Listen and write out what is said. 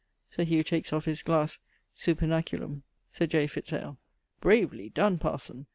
[Sir Hugh takes off his glasse super naculum.] Sir J. Fitz ale. Bravely done, parson!